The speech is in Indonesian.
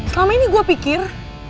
selama ini gue pikir